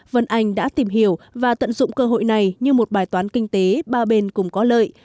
vân anh đã tìm hiểu và tận dụng cơ hội này như một bài toán kinh tế ba bên cùng có lợi